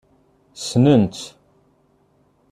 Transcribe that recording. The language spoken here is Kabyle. Ssnen-tt?